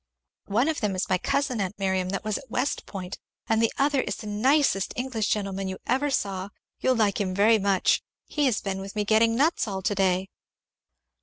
"One of them is my cousin, aunt Miriam, that was at West Point, and the other is the nicest English gentleman you ever saw you will like him very much he has been with me getting nuts all to day."